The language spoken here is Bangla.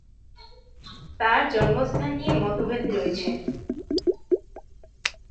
তার জন্মস্থান নিয়ে মতভেদ রয়েছে।